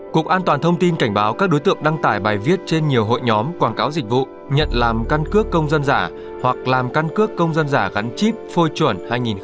cục an toàn thông tin cảnh báo các đối tượng đăng tải bài viết trên nhiều hội nhóm quảng cáo dịch vụ nhận làm căn cước công dân giả hoặc làm căn cước công dân giả gắn chip phôi chuẩn hai nghìn hai mươi ba